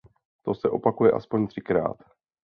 To se opakuje aspoň třikrát.